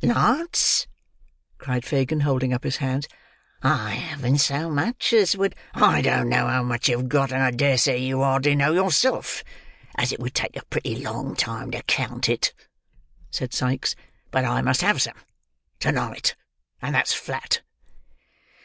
"Lots!" cried Fagin, holding up is hands. "I haven't so much as would—" "I don't know how much you've got, and I dare say you hardly know yourself, as it would take a pretty long time to count it," said Sikes; "but I must have some to night; and that's flat."